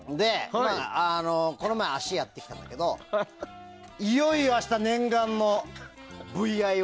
この前、足やってきたんだけどいよいよ明日、念願のＶＩＯ。